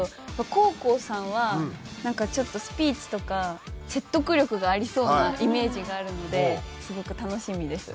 黄皓さんはなんかちょっとスピーチとか説得力がありそうなイメージがあるのですごく楽しみです。